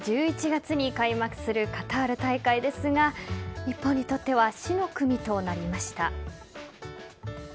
１１月に開幕するカタール大会ですが日本にとっては死の組となりました。